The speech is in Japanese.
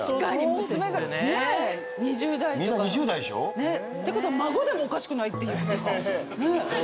みんな２０代でしょ？ってことは孫でもおかしくない。